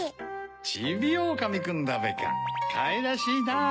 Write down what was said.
ちびおおかみくんだべかかわいらしいなぁ。